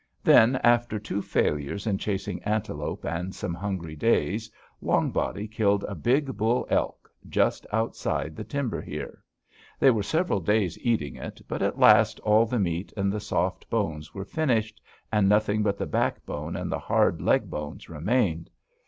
Then, after two failures in chasing antelope and some hungry days, Long Body killed a big bull elk, just outside the timber here. They were several days eating it, but at last all the meat and the soft bones were finished, and nothing but the backbone and the hard leg bones remained.